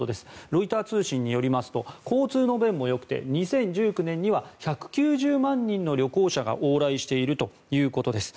ロイター通信によりますと交通の便もよくて２０１９年には１９０万人の旅行者が往来しているということです。